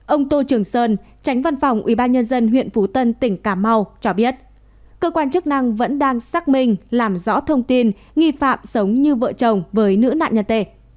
ông tô trường sơn tránh văn phòng ubnd huyện phú tân tỉnh cà mau cho biết cơ quan chức năng vẫn đang xác minh làm rõ thông tin nghi phạm sống như vợ chồng với nữ nạn nhân tê